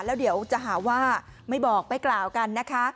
แล้วเดี๋ยวจะหาว่าไม่บอกไม่กล่าวกันนะคะ